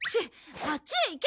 あっちへ行け！